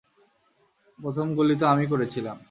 প্রথম গুলি তো আমিই করেছিলাম।